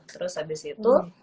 terus abis itu